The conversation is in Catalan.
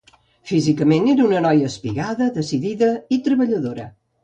Físicament era una noia espigada, decidida i treballadora.